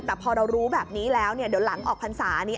แต่พอเรารู้แบบนี้แล้วเดี๋ยวหลังออกพรรษานี้